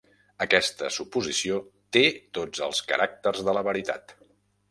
Aquesta suposició té tots els caràcters de la veritat.